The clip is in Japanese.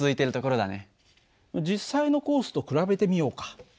実際のコースと比べてみようか。